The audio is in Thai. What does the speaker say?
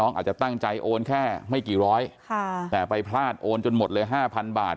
โอนแค่ไม่กี่ร้อยแต่ไปพลาดโอนจนหมดเลย๕๐๐๐บาท